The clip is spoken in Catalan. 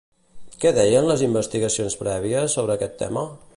Què deien les investigacions prèvies sobre aquest tema?